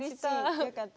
あよかった。